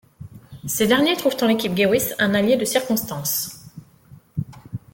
Ces derniers trouvent en l'équipe Gewiss un allier de circonstance.